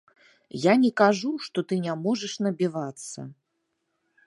Я не кажу, што ты не можаш набівацца.